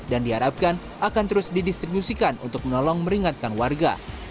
dan diharapkan akan terus didistribusikan untuk menolong meringatkan warga